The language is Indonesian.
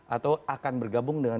atau akan bergabung dengan